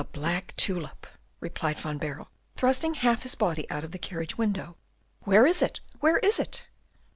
"The black tulip!" replied Van Baerle, thrusting half his body out of the carriage window. "Where is it? where is it?"